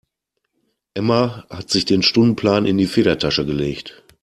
Emma hat sich den Stundenplan in die Federtasche gelegt.